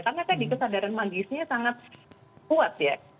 karena tadi kesadaran mandisnya sangat kuat ya